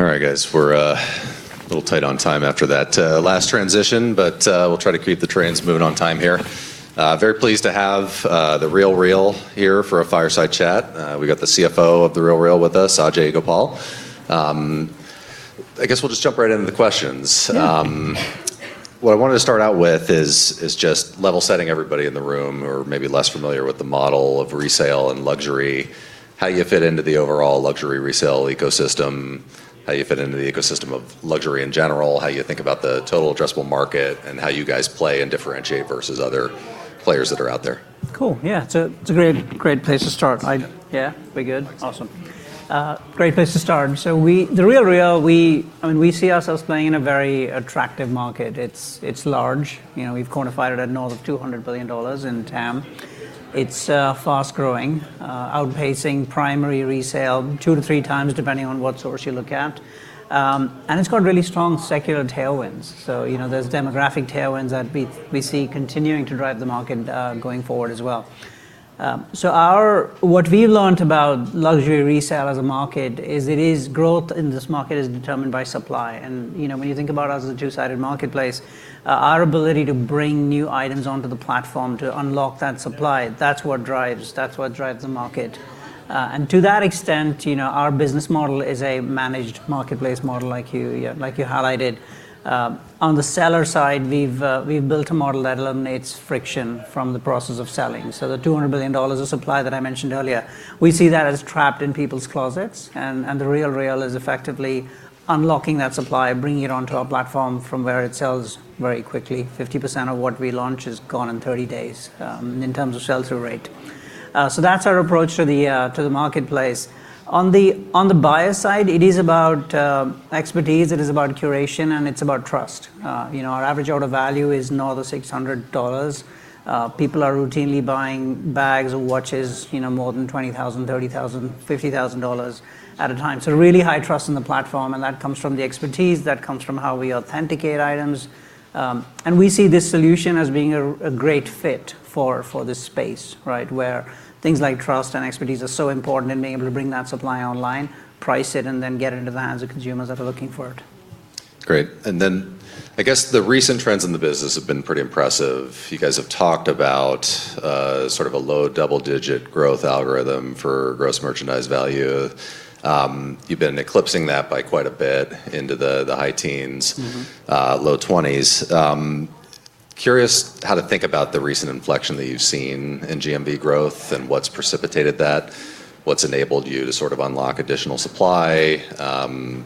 All right, guys. We're a little tight on time after that last transition, but we'll try to keep the trains moving on time here. Very pleased to have The RealReal here for a fireside chat. We got the CFO of The RealReal with us, Ajay Gopal. I guess we'll just jump right into the questions. Yeah. What I wanted to start out with is just level setting everybody in the room who are maybe less familiar with the model of resale and luxury, how you fit into the overall luxury resale ecosystem, how you fit into the ecosystem of luxury in general, how you think about the total addressable market, and how you guys play and differentiate versus other players that are out there. Cool. Yeah. It's a great place to start. Yeah. Yeah. We're good? Awesome. Great place to start. The RealReal, I mean, we see ourselves playing in a very attractive market. It's large. You know, we've quantified it at north of $200 billion in TAM. It's fast growing, outpacing primary resale two-three times, depending on what source you look at. And it's got really strong secular tailwinds. You know, there's demographic tailwinds that we see continuing to drive the market going forward as well. What we've learned about luxury resale as a market is that growth in this market is determined by supply. You know, when you think about us as a two-sided marketplace, our ability to bring new items onto the platform to unlock that supply, that's what drives the market. To that extent, you know, our business model is a managed marketplace model like you, yeah, like you highlighted. On the seller side, we've built a model that eliminates friction from the process of selling. The $200 billion of supply that I mentioned earlier, we see that as trapped in people's closets, and The RealReal is effectively unlocking that supply, bringing it onto our platform from where it sells very quickly. 50% of what we launch is gone in 30 days in terms of sell-through rate. That's our approach to the marketplace. On the buyer side, it is about expertise, it is about curation, and it's about trust. You know, our average order value is north of $600. People are routinely buying bags or watches, you know, more than $20,000, $30,000, $50,000 at a time. Really high trust in the platform, and that comes from the expertise, that comes from how we authenticate items. We see this solution as being a great fit for this space, right? Where things like trust and expertise are so important, and being able to bring that supply online, price it, and then get it into the hands of consumers that are looking for it. Great. I guess the recent trends in the business have been pretty impressive. You guys have talked about sort of a low double-digit growth algorithm for gross merchandise value. You've been eclipsing that by quite a bit into the high teens. Mm-hmm Low 20s. Curious how to think about the recent inflection that you've seen in GMV growth and what's precipitated that, what's enabled you to sort of unlock additional supply,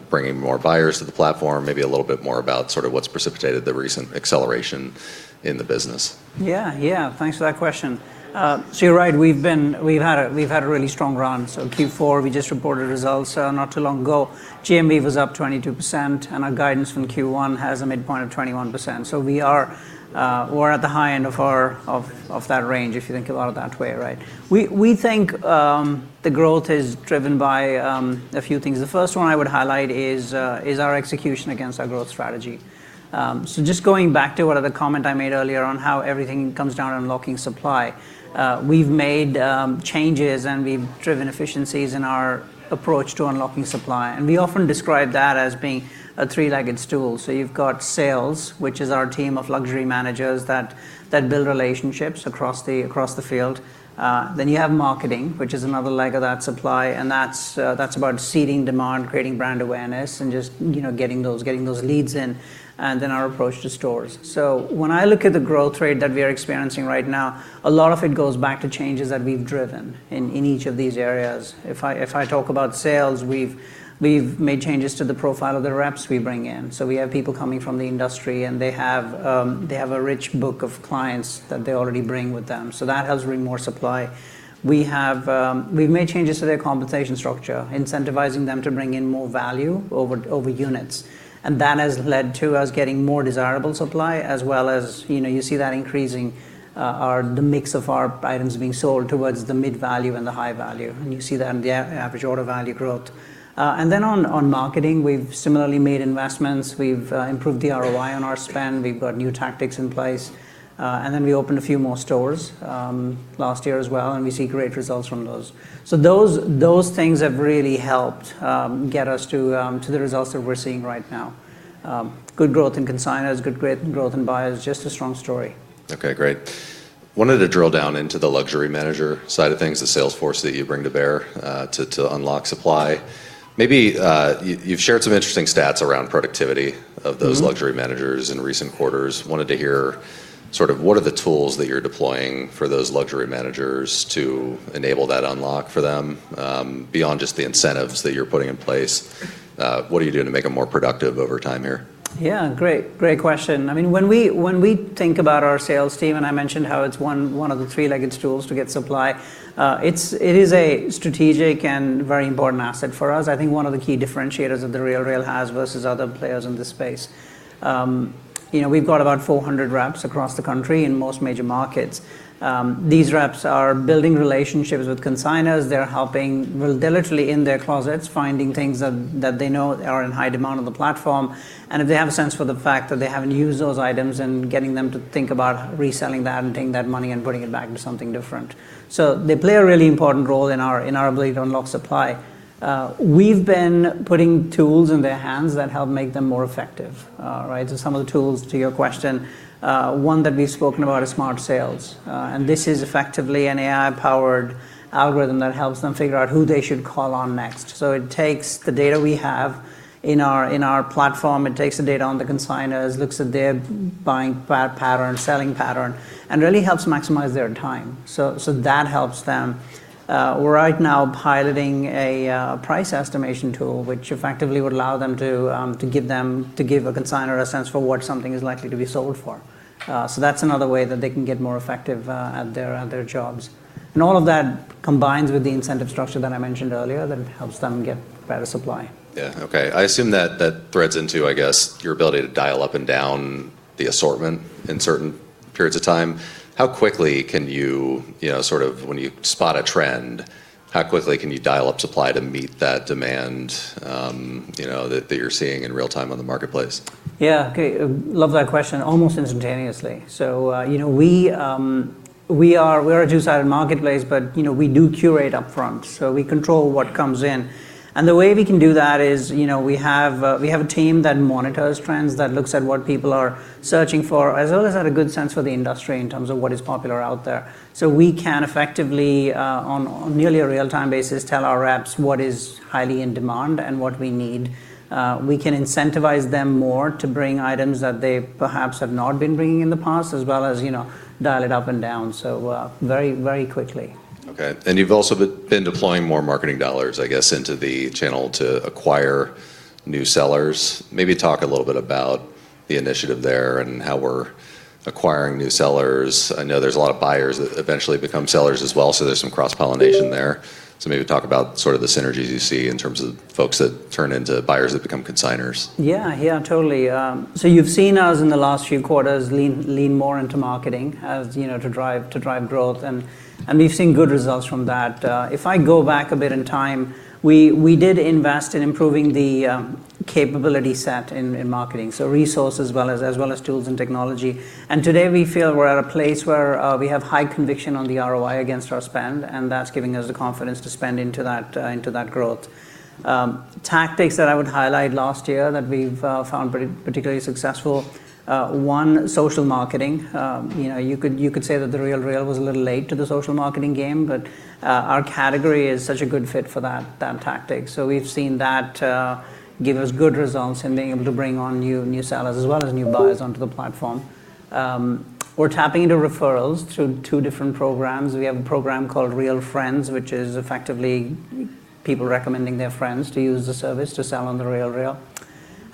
bringing more buyers to the platform, maybe a little bit more about sort of what's precipitated the recent acceleration in the business. Yeah, yeah. Thanks for that question. You're right, we've had a really strong run. Q4, we just reported results not too long ago. GMV was up 22%, and our guidance from Q1 has a midpoint of 21%. We're at the high end of our range, if you think about it that way, right? We think the growth is driven by a few things. The first one I would highlight is our execution against our growth strategy. Just going back to one of the comments I made earlier on how everything comes down to unlocking supply, we've made changes, and we've driven efficiencies in our approach to unlocking supply, and we often describe that as being a three-legged stool. You've got sales, which is our team of luxury managers that build relationships across the field. Then you have marketing, which is another leg of that supply, and that's about seeding demand, creating brand awareness, and just, you know, getting those leads in, and then our approach to stores. When I look at the growth rate that we are experiencing right now, a lot of it goes back to changes that we've driven in each of these areas. If I talk about sales, we've made changes to the profile of the reps we bring in. We have people coming from the industry, and they have a rich book of clients that they already bring with them. That has brought more supply. We've made changes to their compensation structure, incentivizing them to bring in more value over units, and that has led to us getting more desirable supply, as well as you know you see that increasing the mix of our items being sold towards the mid-value and the high value, and you see that in the average order value growth. On marketing, we've similarly made investments. We've improved the ROI on our spend. We've got new tactics in place. We opened a few more stores last year as well, and we see great results from those. Those things have really helped get us to the results that we're seeing right now, good growth in consignors, good growth in buyers, just a strong story. Okay, great. Wanted to drill down into the luxury manager side of things, the sales force that you bring to bear, to unlock supply. Maybe, you've shared some interesting stats around productivity of those. Mm-hmm Luxury managers in recent quarters. Sort of what are the tools that you're deploying for those luxury managers to enable that unlock for them, beyond just the incentives that you're putting in place? What are you doing to make them more productive over time here? Yeah. Great question. I mean, when we think about our sales team, and I mentioned how it's one of the three-legged stools to get supply, it is a strategic and very important asset for us, I think one of the key differentiators that The RealReal has versus other players in this space. You know, we've got about 400 reps across the country in most major markets. These reps are building relationships with consignors. They're helping, well, they're literally in their closets finding things that they know are in high demand on the platform. If they have a sense for the fact that they haven't used those items and getting them to think about reselling that and taking that money and putting it back into something different. They play a really important role in our ability to unlock supply. We've been putting tools in their hands that help make them more effective, right? Some of the tools to your question, one that we've spoken about is Smart Sales. This is effectively an AI-powered algorithm that helps them figure out who they should call on next. It takes the data we have in our platform. It takes the data on the consignors, looks at their buying pattern, selling pattern, and really helps maximize their time. That helps them. We're right now piloting a price estimation tool, which effectively would allow them to give a consignor a sense for what something is likely to be sold for. That's another way that they can get more effective at their jobs. All of that combines with the incentive structure that I mentioned earlier that helps them get better supply. Yeah. Okay. I assume that threads into, I guess, your ability to dial up and down the assortment in certain periods of time. How quickly can you know, sort of when you spot a trend, how quickly can you dial up supply to meet that demand, you know, that you're seeing in real time on the marketplace? Yeah. Okay. Love that question. Almost instantaneously. You know, we are a two-sided marketplace, but you know, we do curate upfront. We control what comes in. The way we can do that is, you know, we have a team that monitors trends, that looks at what people are searching for, as well as have a good sense for the industry in terms of what is popular out there. We can effectively on nearly a real time basis tell our reps what is highly in demand and what we need. We can incentivize them more to bring items that they perhaps have not been bringing in the past, as well as, you know, dial it up and down. Very quickly. Okay. You've also been deploying more marketing dollars, I guess, into the channel to acquire new sellers. Maybe talk a little bit about the initiative there and how we're acquiring new sellers. I know there's a lot of buyers that eventually become sellers as well, so there's some cross-pollination there. Maybe talk about sort of the synergies you see in terms of folks that turn into buyers that become consignors. Yeah. Yeah. Totally. So you've seen us in the last few quarters lean more into marketing as you know to drive growth and we've seen good results from that. If I go back a bit in time, we did invest in improving the capability set in marketing, so resources as well as tools and technology. Today we feel we're at a place where we have high conviction on the ROI against our spend, and that's giving us the confidence to spend into that growth. Tactics that I would highlight last year that we've found particularly successful, one, social marketing. You know, you could say that The RealReal was a little late to the social marketing game, but our category is such a good fit for that tactic. We've seen that give us good results in being able to bring on new sellers as well as new buyers onto the platform. We're tapping into referrals through two different programs. We have a program called Real Friends, which is effectively people recommending their friends to use the service to sell on The RealReal.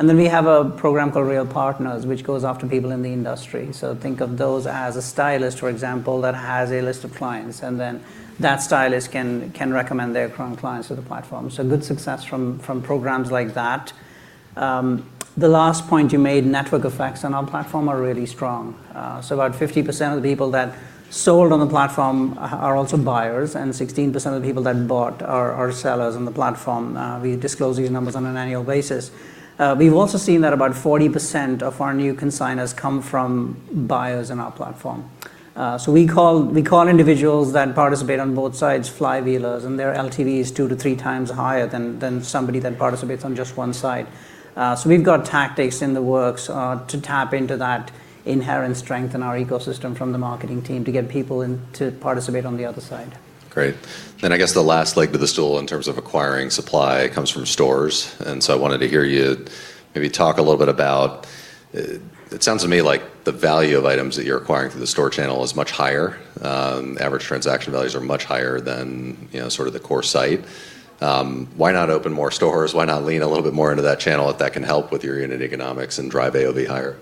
We have a program called Real Partners, which goes after people in the industry. Think of those as a stylist, for example, that has a list of clients, and then that stylist can recommend their current clients to the platform. Good success from programs like that. The last point you made, network effects on our platform are really strong. About 50% of the people that sold on the platform are also buyers, and 16% of the people that bought are sellers on the platform. We disclose these numbers on an annual basis. We've also seen that about 40% of our new consignors come from buyers in our platform. We call individuals that participate on both sides flywheelers, and their LTV is two-three times higher than somebody that participates on just one side. We've got tactics in the works to tap into that inherent strength in our ecosystem from the marketing team to get people in to participate on the other side. Great. I guess the last leg of the stool in terms of acquiring supply comes from stores. I wanted to hear you maybe talk a little bit about. It sounds to me like the value of items that you're acquiring through the store channel is much higher. Average transaction values are much higher than, you know, sort of the core site. Why not open more stores? Why not lean a little bit more into that channel if that can help with your unit economics and drive AOV higher?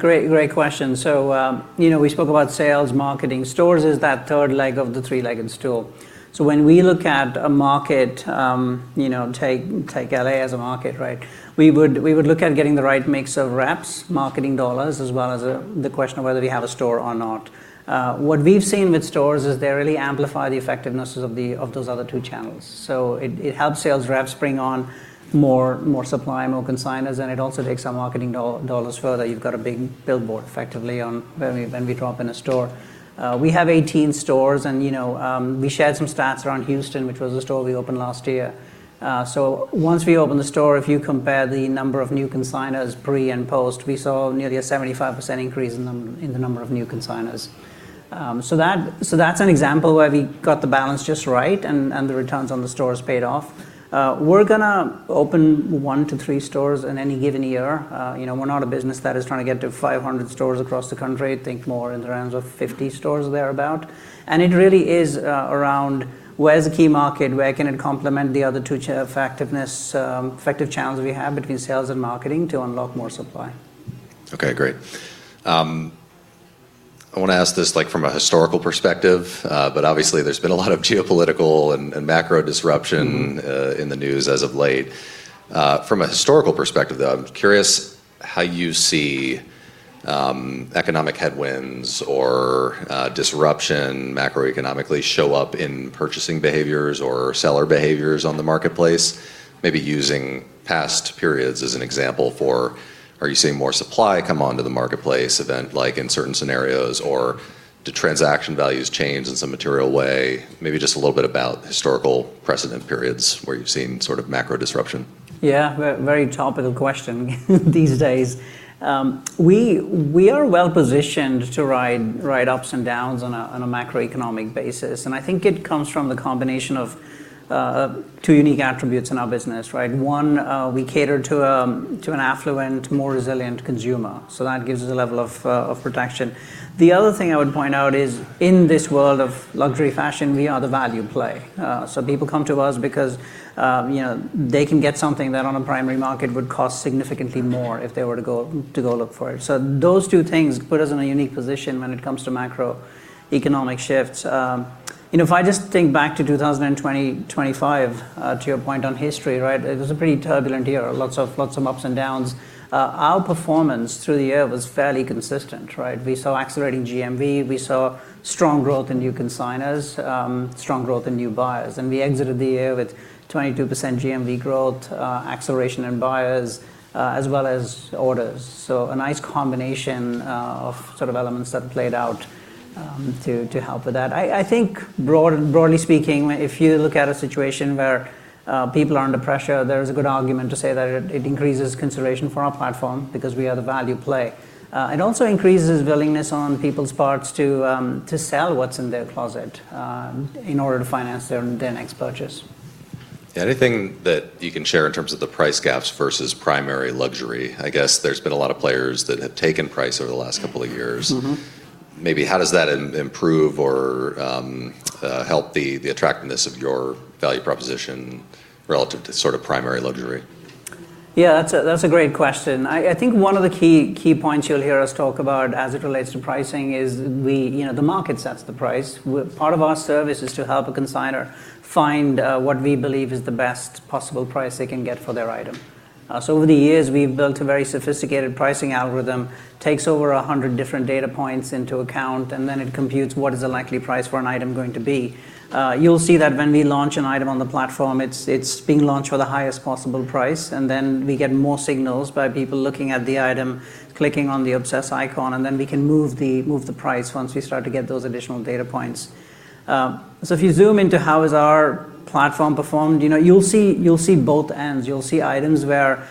Great question. You know, we spoke about sales, marketing. Stores is that third leg of the three-legged stool. When we look at a market, you know, take L.A. as a market, right? We would look at getting the right mix of reps, marketing dollars, as well as the question of whether we have a store or not. What we've seen with stores is they really amplify the effectiveness of those other two channels. It helps sales reps bring on more supply, more consignors, and it also takes our marketing dollars further. You've got a big billboard effectively on when we drop in a store. We have 18 stores and, you know, we shared some stats around Houston, which was a store we opened last year. Once we opened the store, if you compare the number of new consignors pre and post, we saw nearly a 75% increase in the number of new consignors. That's an example where we got the balance just right and the returns on the stores paid off. We're gonna open one-three stores in any given year. You know, we're not a business that is trying to get to 500 stores across the country. Think more in the range of 50 stores, thereabout. It really is around where is the key market? Where can it complement the other two effective channels we have between sales and marketing to unlock more supply? Okay, great. I want to ask this like from a historical perspective, but obviously there's been a lot of geopolitical and macro disruption in the news as of late. From a historical perspective, though, I'm curious how you see economic headwinds or disruption macroeconomically show up in purchasing behaviors or seller behaviors on the marketplace, maybe using past periods as an example for are you seeing more supply come onto the marketplace event like in certain scenarios or do transaction values change in some material way? Maybe just a little bit about historical precedent periods where you've seen sort of macro disruption. Yeah, very topical question these days. We are well positioned to ride ups and downs on a macroeconomic basis. I think it comes from the combination of two unique attributes in our business, right? One, we cater to an affluent, more resilient consumer. That gives us a level of protection. The other thing I would point out is in this world of luxury fashion, we are the value play. People come to us because, you know, they can get something that on a primary market would cost significantly more if they were to go look for it. Those two things put us in a unique position when it comes to macroeconomic shifts. You know, if I just think back to 2024, to your point on history, right, it was a pretty turbulent year, lots of ups and downs. Our performance through the year was fairly consistent, right? We saw accelerating GMV. We saw strong growth in new consignors, strong growth in new buyers. We exited the year with 22% GMV growth, acceleration in buyers, as well as orders. A nice combination of sort of elements that played out to help with that. I think broadly speaking, if you look at a situation where people are under pressure, there's a good argument to say that it increases consideration for our platform because we are the value play. It also increases willingness on people's parts to sell what's in their closet in order to finance their next purchase. Anything that you can share in terms of the price gaps versus primary luxury? I guess there's been a lot of players that have taken price over the last couple of years. Maybe how does that improve or help the attractiveness of your value proposition relative to sort of primary luxury? Yeah, that's a great question. I think one of the key points you'll hear us talk about as it relates to pricing is the market sets the price. Part of our service is to help a consignor find what we believe is the best possible price they can get for their item. Over the years, we've built a very sophisticated pricing algorithm, takes over 100 different data points into account, and then it computes what is the likely price for an item going to be. You'll see that when we launch an item on the platform, it's being launched for the highest possible price. We get more signals by people looking at the item, clicking on the obsess icon, and then we can move the price once we start to get those additional data points. If you zoom into how has our platform performed, you'll see both ends. You'll see items where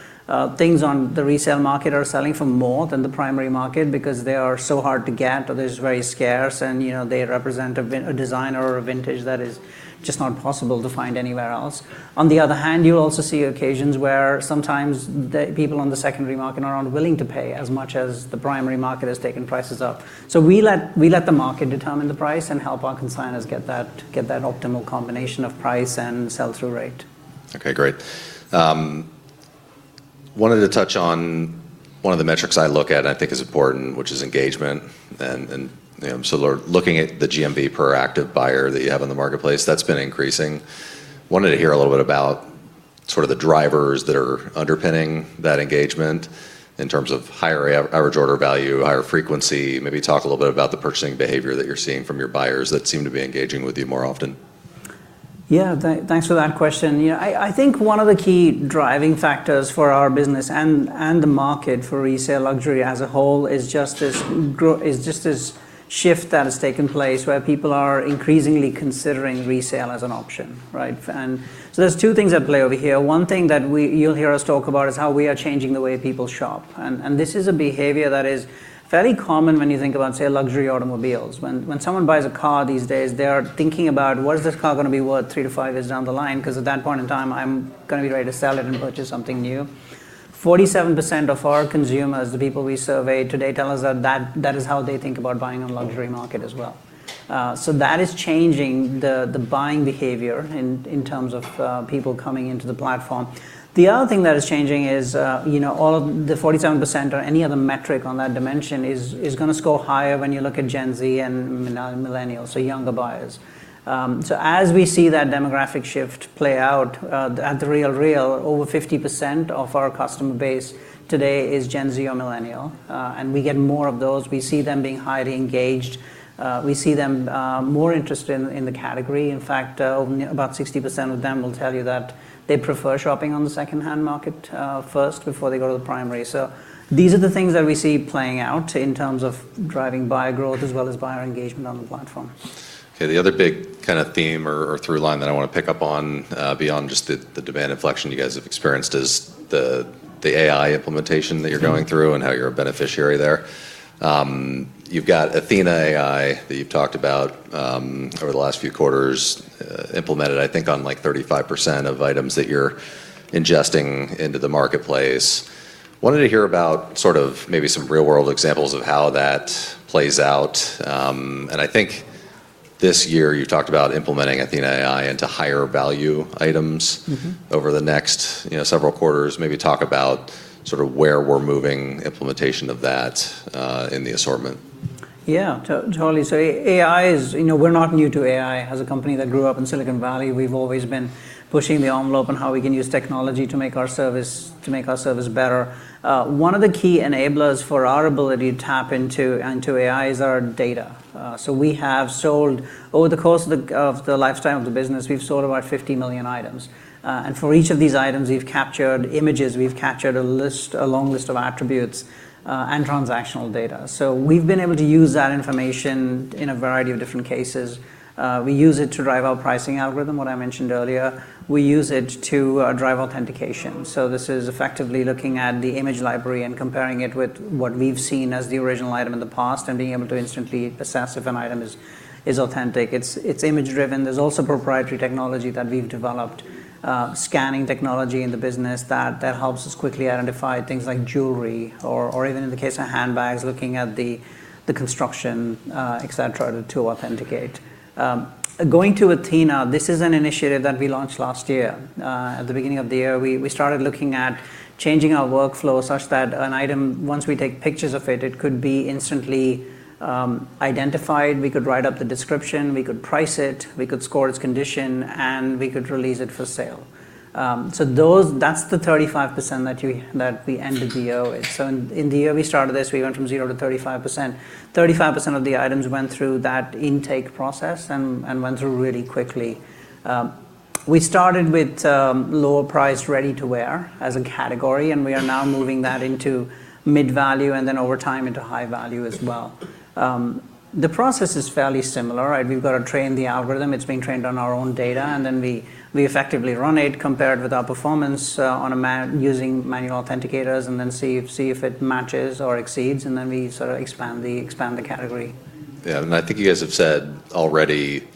things on the resale market are selling for more than the primary market because they are so hard to get or they're very scarce and they represent a designer or a vintage that is just not possible to find anywhere else. On the other hand, you'll also see occasions where sometimes the people on the secondary market are unwilling to pay as much as the primary market has taken prices up. We let the market determine the price and help our consignors get that optimal combination of price and sell-through rate. Okay, great. I wanted to touch on one of the metrics I look at and I think is important, which is engagement. Looking at the GMV per active buyer that you have in the marketplace, that's been increasing. I wanted to hear a little bit about sort of the drivers that are underpinning that engagement in terms of higher average order value, higher frequency. Maybe talk a little bit about the purchasing behavior that you're seeing from your buyers that seem to be engaging with you more often. Yeah, thanks for that question. I think one of the key driving factors for our business and the market for resale luxury as a whole is just this shift that has taken place where people are increasingly considering resale as an option, right? There's two things at play over here. One thing that you'll hear us talk about is how we are changing the way people shop. This is a behavior that is very common when you think about, say, luxury automobiles. When someone buys a car these days, they are thinking about what is this car going to be worth three-five years down the line? Because at that point in time, I'm going to be ready to sell it and purchase something new. 47% of our consumers, the people we surveyed today, tell us that that is how they think about buying on the luxury market as well. That is changing the buying behavior in terms of people coming into the platform. The other thing that is changing is, you know, all of the 47% or any other metric on that dimension is going to score higher when you look at Gen Z and Millennials, so younger buyers. As we see that demographic shift play out at The RealReal, over 50% of our customer base today is Gen Z or Millennial. We get more of those. We see them being highly engaged. We see them more interested in the category. In fact, about 60% of them will tell you that they prefer shopping on the secondhand market first before they go to the primary. These are the things that we see playing out in terms of driving buyer growth as well as buyer engagement on the platform. Okay. The other big kind of theme or through line that I want to pick up on beyond just the demand inflection you guys have experienced is the AI implementation that you're going through and how you're a beneficiary there. You've got Athena AI that you've talked about over the last few quarters implemented, I think, on like 35% of items that you're ingesting into the marketplace. Wanted to hear about sort of maybe some real world examples of how that plays out. I think this year, you talked about implementing Athena AI into higher value items. Mm-hmm over the next, you know, several quarters. Maybe talk about sort of where we're moving implementation of that, in the assortment. Yeah. Totally. You know, we're not new to AI. As a company that grew up in Silicon Valley, we've always been pushing the envelope on how we can use technology to make our service better. One of the key enablers for our ability to tap into AI is our data. Over the course of the lifetime of the business, we've sold about 50 million items. For each of these items, we've captured images, a long list of attributes, and transactional data. We've been able to use that information in a variety of different cases. We use it to drive our pricing algorithm, what I mentioned earlier. We use it to drive authentication. This is effectively looking at the image library and comparing it with what we've seen as the original item in the past and being able to instantly assess if an item is authentic. It's image-driven. There's also proprietary technology that we've developed, scanning technology in the business that helps us quickly identify things like jewelry or even in the case of handbags, looking at the construction, et cetera, to authenticate. Going to Athena, this is an initiative that we launched last year. At the beginning of the year, we started looking at changing our workflow such that an item, once we take pictures of it could be instantly identified, we could write up the description, we could price it, we could score its condition, and we could release it for sale. That's the 35% that we ended the year with. In the year we started this, we went from 0% to 35%. 35% of the items went through that intake process and went through really quickly. We started with lower-price ready-to-wear as a category, and we are now moving that into mid-value and then over time into high value as well. The process is fairly similar. We've got to train the algorithm. It's being trained on our own data, and then we effectively run it, compare it with our performance using manual authenticators, and then see if it matches or exceeds, and then we sort of expand the category. Yeah. I think you guys have said already,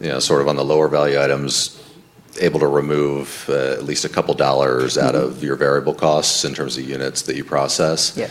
you know, sort of on the lower value items, able to remove at least a couple of dollars. Mm-hmm Out of your variable costs in terms of units that you process. Yeah.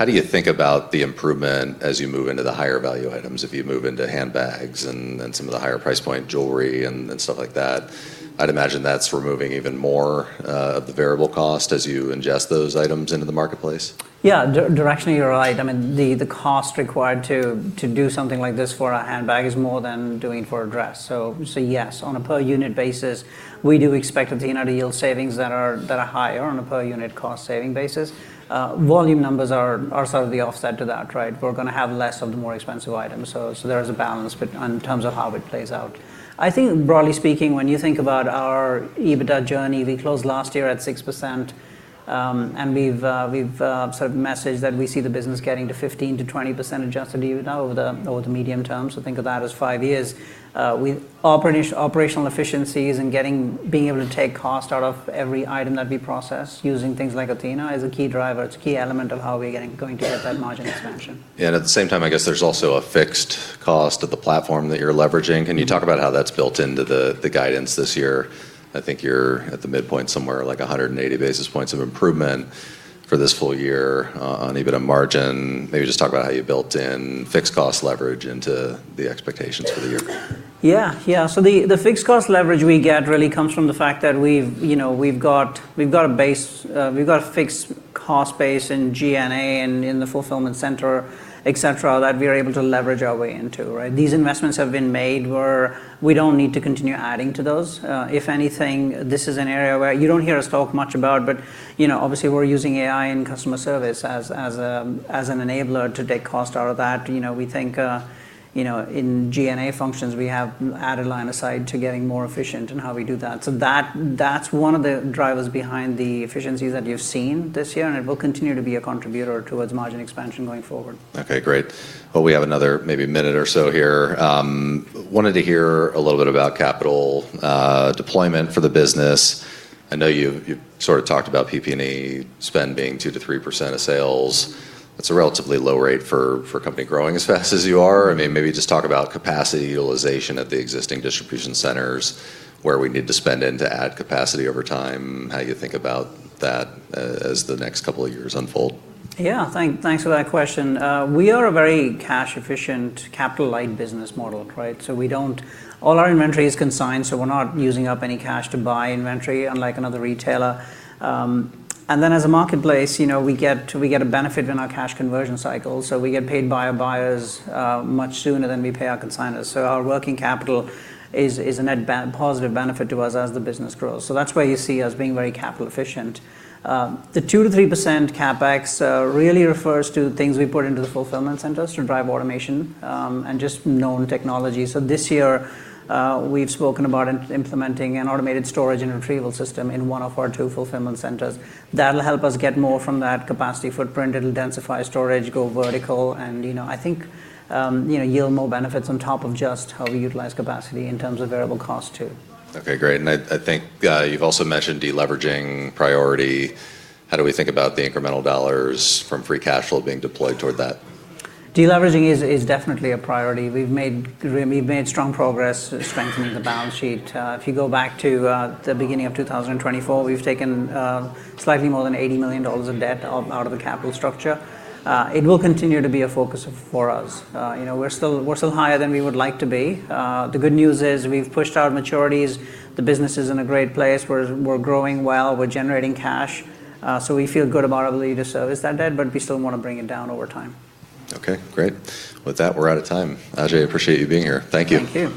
How do you think about the improvement as you move into the higher value items, if you move into handbags and some of the higher price point jewelry and stuff like that? I'd imagine that's removing even more of the variable cost as you ingest those items into the marketplace. Yeah. Directionally, you're right. I mean, the cost required to do something like this for a handbag is more than doing for a dress. Yes, on a per unit basis, we do expect Athena to yield savings that are higher on a per unit cost saving basis. Volume numbers are sort of the offset to that, right? We're gonna have less of the more expensive items. There is a balance, but in terms of how it plays out, I think broadly speaking, when you think about our EBITDA journey, we closed last year at 6%. We've sort of messaged that we see the business getting to 15%-20% adjusted EBITDA over the medium term. Think of that as five years. Operational efficiencies and being able to take cost out of every item that we process using things like Athena is a key driver. It's a key element of how we're going to get that margin expansion. Yeah. At the same time, I guess there's also a fixed cost of the platform that you're leveraging. Can you talk about how that's built into the guidance this year? I think you're at the midpoint somewhere, like 180 basis points of improvement for this full year on EBITDA margin. Maybe just talk about how you built in fixed cost leverage into the expectations for the year. The fixed cost leverage we get really comes from the fact that we've got a fixed cost base in G&A and in the fulfillment center, et cetera, that we're able to leverage our way into, right? These investments have been made where we don't need to continue adding to those. If anything, this is an area where you don't hear us talk much about, but you know, obviously, we're using AI in customer service as an enabler to take cost out of that. You know, we think in G&A functions, we have added line of sight to getting more efficient in how we do that. That's one of the drivers behind the efficiencies that you've seen this year, and it will continue to be a contributor towards margin expansion going forward. Okay, great. Well, we have another maybe minute or so here. Wanted to hear a little bit about capital deployment for the business. I know you sort of talked about PP&E spend being 2%-3% of sales. That's a relatively low rate for a company growing as fast as you are. I mean, maybe just talk about capacity utilization at the existing distribution centers, where we need to spend in to add capacity over time, how you think about that as the next couple of years unfold. Thanks for that question. We are a very cash-efficient, capital-light business model, right? We don't. All our inventory is consigned, so we're not using up any cash to buy inventory unlike another retailer. As a marketplace, you know, we get a benefit in our cash conversion cycle. We get paid by our buyers much sooner than we pay our consignors. Our working capital is a net positive benefit to us as the business grows. That's why you see us being very capital efficient. The 2%-3% CapEx really refers to things we put into the fulfillment centers to drive automation, and just known technology. This year, we've spoken about implementing an automated storage and retrieval system in one of our two fulfillment centers. That'll help us get more from that capacity footprint. It'll densify storage, go vertical, and, you know, I think, you know, yield more benefits on top of just how we utilize capacity in terms of variable cost too. Okay, great. I think you've also mentioned deleveraging priority. How do we think about the incremental dollars from free cash flow being deployed toward that? Deleveraging is definitely a priority. We've made strong progress strengthening the balance sheet. If you go back to the beginning of 2024, we've taken slightly more than $80 million of debt out of the capital structure. It will continue to be a focus for us. You know, we're still higher than we would like to be. The good news is we've pushed out maturities. The business is in a great place. We're growing well. We're generating cash. We feel good about our ability to service that debt, but we still wanna bring it down over time. Okay, great. With that, we're out of time. Ajay, appreciate you being here. Thank you. Thank you.